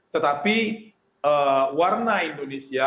tetapi warna indonesia